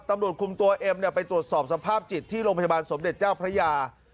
ตำรวจคุมตัวเอ็มไปตรวจสอบสภาพจิตที่โรงพยาบาลสมเด็จเจ้าพระยา